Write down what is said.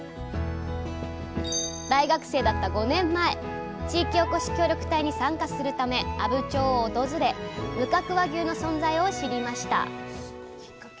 大学生だった５年前地域おこし協力隊に参加するため阿武町を訪れ無角和牛の存在を知りました。